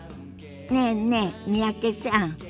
ねえねえ三宅さん。